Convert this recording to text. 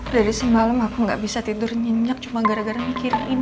dari semalam aku gak bisa tidur nyenyak cuma gara gara mikir ini ma